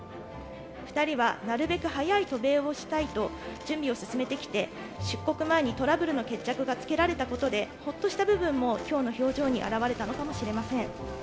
２人はなるべく早い渡米をしたいと準備を進めてきて、出国前にトラブルの決着がつけられたことで、ほっとした部分も、きょうの表情に現れたのかもしれません。